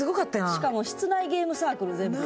しかも室内ゲームサークル全部。